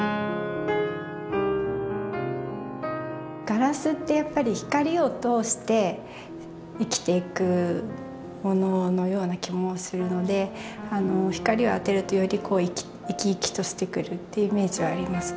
ガラスってやっぱり光を通して生きていくもののような気もするので光を当てるとより生き生きとしてくるっていうイメージはあります。